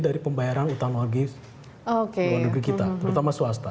dari pembayaran hutang luar negeri kita terutama swasta